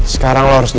sekarang lo harus janji